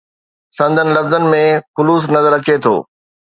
سندن لفظن ۾ خلوص نظر اچي ٿو.